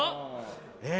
え